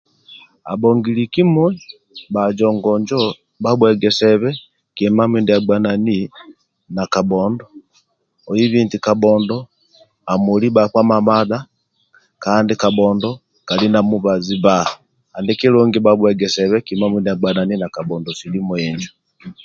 Abhongili kimui bhajongo injo bhabhuegesebe kima mindia agbanani na kabhondo oibi eti kabhondo amuoli bhakpa mamadha kandi kabhondo kali na mubazi bba andi kilungi bhabhuegesebe kima mindia agbanani na kabhondo silimu injo